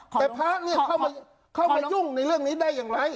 แต่พระเนี่ยเข้ามายุ่งในเรื่องนี้ได้อย่างไร